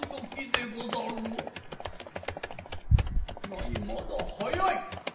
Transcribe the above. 何まだ早い。